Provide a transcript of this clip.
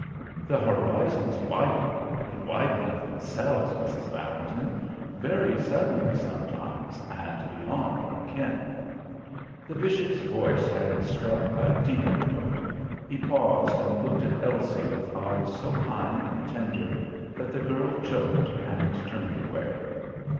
"The horizons widen, they widen of themselves, Mrs. Valentin very suddenly sometimes, and beyond our ken." The bishop's voice had struck a deeper note; he paused and looked at Elsie with eyes so kind and tender that the girl choked and turned away.